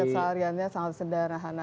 kesehariannya sangat sederhana